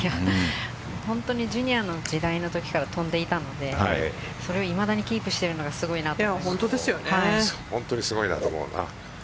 ジュニアの時代のときから飛んでいたのでそれをいまだにキープしているのが本当にすごいなと思うな。